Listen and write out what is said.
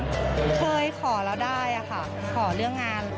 เคยขอแล้วได้ค่ะขอเรื่องงาน